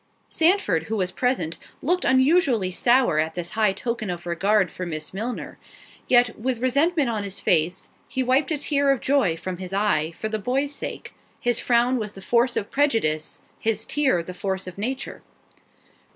Sandford, who was present, looked unusually sour at this high token of regard for Miss Milner; yet, with resentment on his face, he wiped a tear of joy from his eye, for the boy's sake—his frown was the force of prejudice, his tear the force of nature.